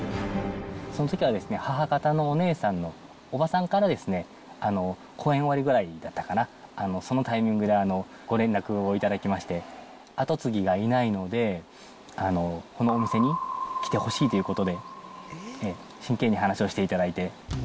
そのときは母方のお姉さんの伯母さんからですね、公演終わりぐらいだったかな、そのタイミングでご連絡をいただきまして、後継ぎがいないので、このお店に来てほしいということで、真剣に話をしていただいて。